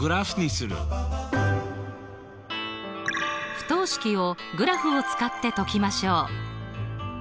不等式をグラフを使って解きましょう。